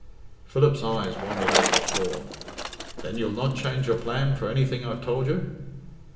Philip's eyes wandered over the floor. "Then you'll not change your plan for anything I've told you?"